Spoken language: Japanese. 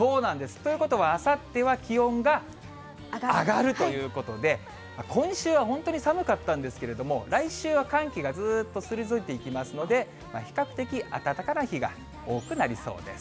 ということは、あさっては気温が上がるということで、今週は本当に寒かったんですけれども、来週は寒気がずっと退いていきますので、比較的暖かな日が多くなりそうです。